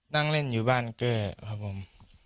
นั่งเล่นอยู่บ้านแก้ครับผม